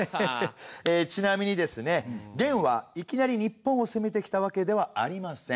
ちなみにですね元はいきなり日本を攻めてきたわけではありません。